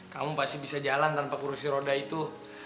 kamu pasti bisa jalan tanpa kursi roda itu